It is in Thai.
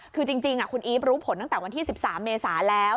คือจริงคุณอีฟรู้ผลตั้งแต่วันที่๑๓เมษาแล้ว